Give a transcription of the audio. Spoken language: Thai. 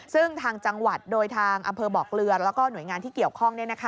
ซึ่งทางจังหวัดโดยทางอำเภอบอกเกลือแล้วก็หน่วยงานที่เกี่ยวข้อง